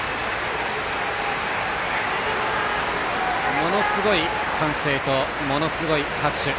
ものすごい歓声とものすごい拍手。